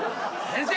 先生！